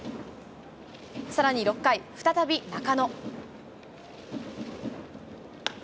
さらに６回、再び中野。